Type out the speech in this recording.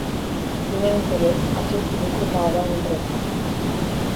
Bineînțeles, acest lucru va avea un preț.